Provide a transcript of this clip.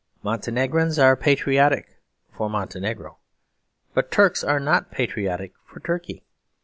Montenegrins are patriotic for Montenegro; but Turks are not patriotic for Turkey.